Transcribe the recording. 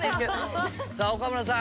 さぁ岡村さん